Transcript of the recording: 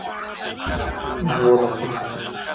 دوو لاسونو کې